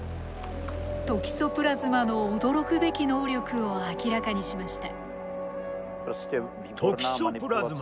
トキソプラズマの驚くべき能力を明らかにしました。